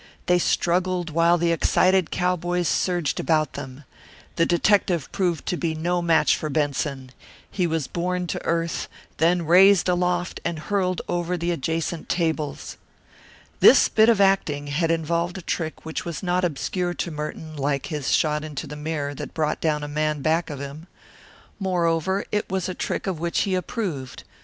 They struggled while the excited cowboys surged about them. The detective proved to be no match for Benson. He was borne to earth, then raised aloft and hurled over the adjacent tables. This bit of acting had involved a trick which was not obscure to Merton like his shot into the mirror that brought down a man back of him. Moreover, it was a trick of which he approved.